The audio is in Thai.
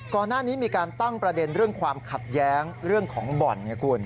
ก่อนหน้านี้มีการตั้งประเด็นเรื่องความขัดแย้งเรื่องของบ่อนไงคุณ